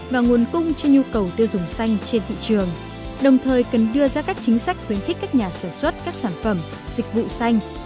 và nguồn cung cho nhu cầu tiêu dùng xanh trên thị trường đồng thời cần đưa ra các chính sách khuyến khích các nhà sản xuất các sản phẩm dịch vụ xanh